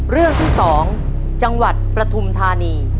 เรื่องที่สองจังหวัดประทุมธานี